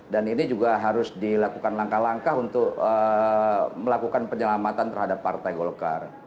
dan ini juga harus dilakukan langkah langkah untuk melakukan penyelamatan terhadap partai golkar